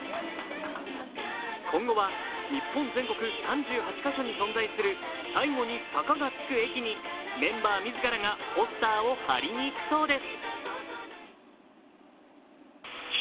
今後は日本全国３８カ所に存在する最後に「坂」がつく駅にメンバーが自らポスターを貼りに行くそうです。